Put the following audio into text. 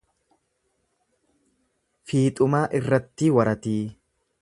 Fiixumaa Irrattii Waratii